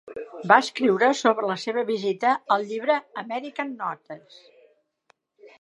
Va escriure sobre la seva visita al llibre, "American Notes".